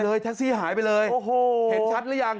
ไปเลยแท็กซี่หายไปเลยเห็นชัดหรือยัง